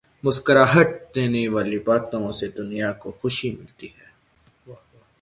مسکراہٹ دینے والی باتوں سے دنیا کو خوشی ملتی ہے۔